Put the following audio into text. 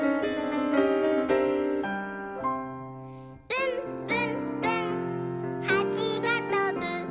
「ぶんぶんぶんはちがとぶ」